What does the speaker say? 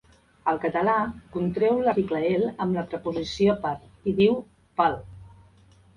El català contreu l'article "el" amb la preposició "per" i diu "pel".